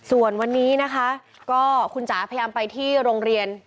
ส่วนวันนี้นะคะก็คุณจ๋าพยายามไปที่โรงเรียน